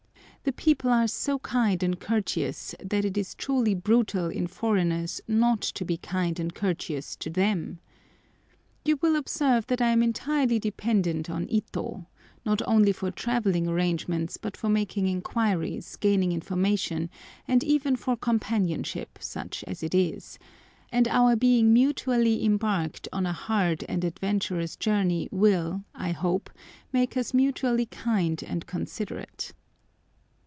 The people are so kind and courteous, that it is truly brutal in foreigners not to be kind and courteous to them. You will observe that I am entirely dependent on Ito, not only for travelling arrangements, but for making inquiries, gaining information, and even for companionship, such as it is; and our being mutually embarked on a hard and adventurous journey will, I hope, make us mutually kind and considerate.